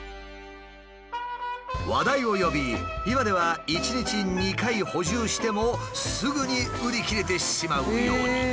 話題を呼び今では１日２回補充してもすぐに売り切れてしまうように。